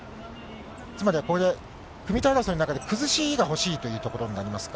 つまりはこれ、組み手争いの中でくずしが欲しいというところになりますか？